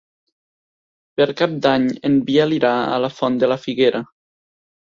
Per Cap d'Any en Biel irà a la Font de la Figuera.